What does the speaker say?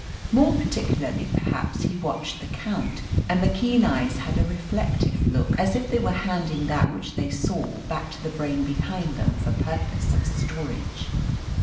More particularly perhaps he watched the Count, and the keen eyes had a reflective look, as if they were handing that which they saw, back to the brain behind them for purpose of storage.